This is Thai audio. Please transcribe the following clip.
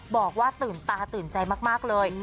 บอกว่าตื่นตาตื่นใจมากเลย